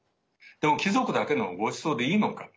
でも、貴族だけのおごちそうでいいのか。